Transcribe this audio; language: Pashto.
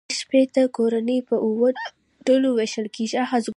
دا شپیته کورنۍ په اووه ډلو وېشل کېږي